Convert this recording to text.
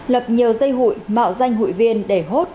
lập nhiều dây hụi mạo danh hụi viên để hốt